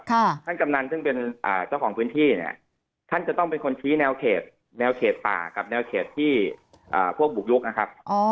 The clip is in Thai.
ท่านกำนันซึ่งเป็นเจ้าของพื้นที่เนี่ยท่านจะต้องเป็นคนชี้แนวเขตแนวเขตป่ากับแนวเขตที่พวกบุกยุคนะครับ